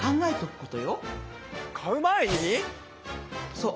そう。